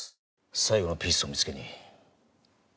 最後のピースを見つけに。